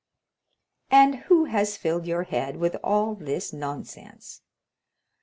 "And who has filled your head with all this nonsense?"